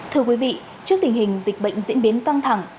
thưa quý vị trước tình hình dịch bệnh diễn biến căng thẳng